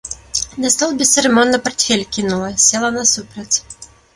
На стол бесцырымонна партфель кінула, села насупраць.